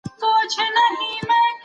هغه هلک چي هلته ولاړ دی زما شاګرد دی.